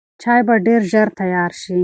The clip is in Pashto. چای به ډېر ژر تیار شي.